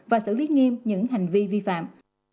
và xử lý nghiêm những hành vi vi phạm